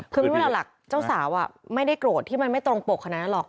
คือไม่รู้หรอกเจ้าสาวไม่ได้โกรธที่มันไม่ตรงปกขนาดนั้นหรอก